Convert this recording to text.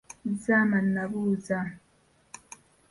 Zama n'abuuza.